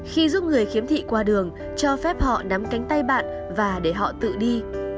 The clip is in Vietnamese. khi giúp người khiếm thị qua đường cho phép họ nắm cánh tay bạn và để họ tự đi